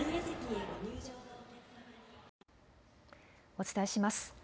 お伝えします。